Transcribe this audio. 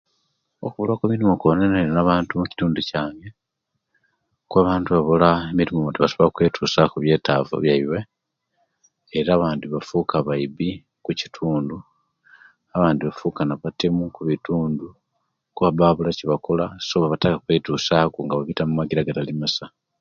Okubulwa emirimo kwononele abantu omukitundu kyange kuba abantu aba'wula emirimo tebasobola okwetuchaaku ebyetaavu byawe era abandi bafuuka baibi okukitundu abandi bafuuka nabatemo okukitundu kuba baba bawula ebibakola so baba bataka kwetusyaku nga babita omumangira agatali masa.